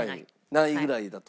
何位ぐらいだと？